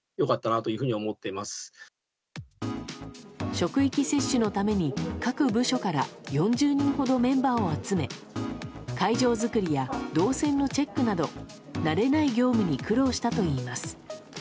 職域接種のために、各部署から４０人ほどメンバーを集め会場作りや動線のチェックなど慣れない業務に苦労したといいます。